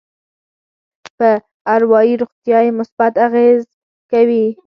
په اروایي روغتيا يې مثبت اغېز کوي.